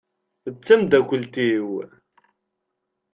D tamdakelt-iw.